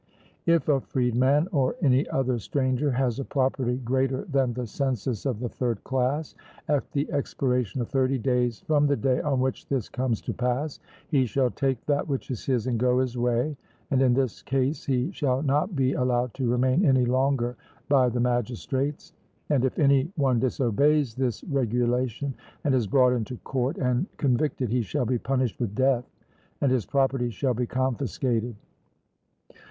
If a freedman or any other stranger has a property greater than the census of the third class, at the expiration of thirty days from the day on which this comes to pass, he shall take that which is his and go his way, and in this case he shall not be allowed to remain any longer by the magistrates. And if any one disobeys this regulation, and is brought into court and convicted, he shall be punished with death, and his property shall be confiscated.